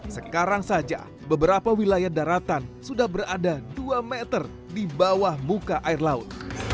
sekarang saja beberapa wilayah daratan sudah berada dua meter di bawah muka air laut